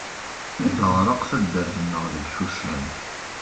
Teɣreq taddart-nneɣ deg yiḥuccan.